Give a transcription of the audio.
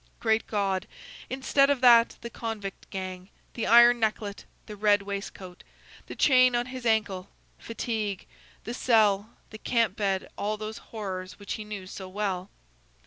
Great God! instead of that, the convict gang, the iron necklet, the red waistcoat, the chain on his ankle, fatigue, the cell, the camp bed all those horrors which he knew so well!